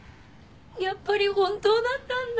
やっぱり本当だったんだ。